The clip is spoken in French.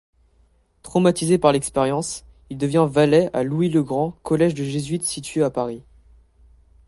Traumatisé par l'expérience, il devient valet à Louis-le-Grand, collège de jésuites situé à Paris.